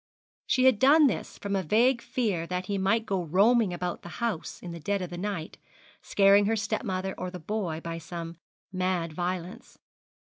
She had done this from a vague fear that he might go roaming about the house in the dead of the night, scaring her stepmother or the boy by some mad violence.